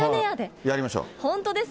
本当ですか？